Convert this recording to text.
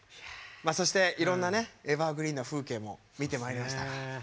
そして、いろんなエバーグリーンな風景も見てまいりました。